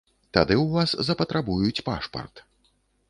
Тады ў вас запатрабуюць пашпарт.